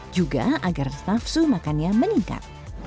juga agar safsu makannya meningkat